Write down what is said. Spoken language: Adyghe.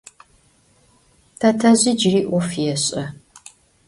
Tetezj cıri 'of yêş'e.